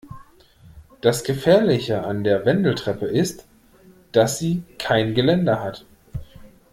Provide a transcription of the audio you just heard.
Das Gefährliche an der Wendeltreppe ist, dass sie kein Geländer hat.